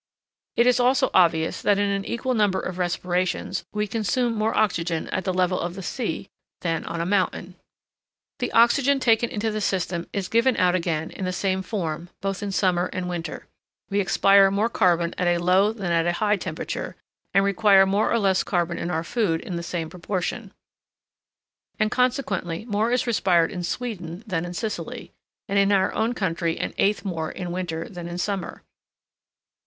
It is also obvious that in an equal number of respirations we consume more oxygen at the level of the sea than on a mountain. The oxygen taken into the system is given out again in the same form, both in summer and winter: we expire more carbon at a low than at a high temperature, and require more or less carbon in our food in the same proportion; and, consequently, more is respired in Sweden than in Sicily, and in our own country and eighth more in winter than in summer.